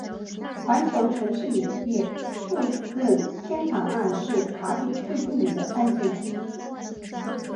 环球城市影业诉任天堂案是卡比最著名的案件之一。